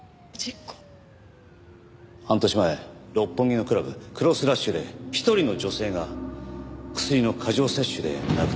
半年前六本木のクラブＸ−ＬＵＳＨで一人の女性がクスリの過剰摂取で亡くなりました。